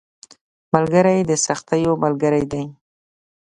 ملګری د سختیو ملګری دی